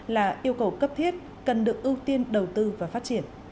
là yêu cầu cấp thiết cần được ưu tiên đầu tư và phát triển